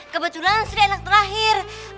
kebetulan sri anak terakhir